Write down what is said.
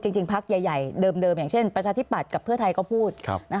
จริงพักใหญ่เดิมอย่างเช่นประชาธิปัตย์กับเพื่อไทยก็พูด